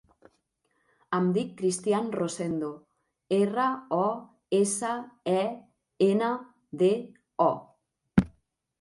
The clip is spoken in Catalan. Em dic Cristián Rosendo: erra, o, essa, e, ena, de, o.